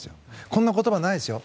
こんな言葉、ないですよ。